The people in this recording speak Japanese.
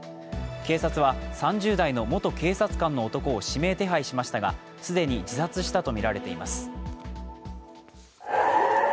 警察は３０代の元警察官の男を指名手配しましたが、既に自殺したとみられています。